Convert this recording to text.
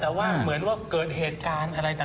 แต่ว่าเหมือนว่าเกิดเหตุการณ์อะไรต่าง